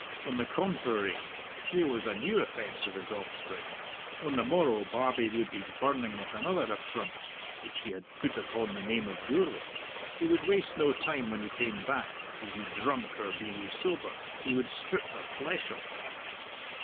On the contrary, here was a new offence of his offspring. On the morrow Barbie would be burning with another affront which he had put upon the name of Gourlay. He would waste no time when he came back, be he drunk or be he sober; he would strip the flesh off him.